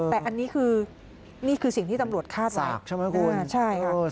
แต่นี่คือสิ่งที่ตำรวจคาดไหล